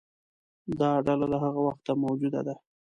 دا ډله له هغه وخته موجوده ده.